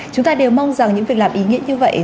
chúng ta đều mong rằng những việc làm ý nghĩa như vậy